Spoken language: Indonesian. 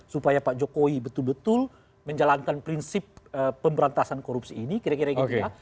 supaya pak jokowi betul betul menjalankan prinsip pemberantasan korupsi ini kira kira gitu ya